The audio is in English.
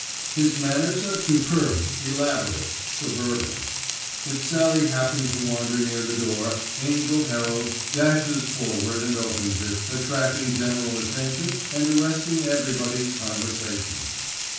His manners are superb, elaborate, suburban. If Sallie happen to wander near the door, Angell Herald dashes forward and opens it, attracting general attention and arresting everybody's conversation.